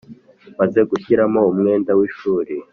. Maze gushyiramo umwenda w’ishuri